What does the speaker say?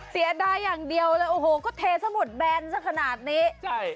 เสียดายอย่างเดียวเลยโอ้โหก็เทสหมดแบนสักขนาดนี้ใช่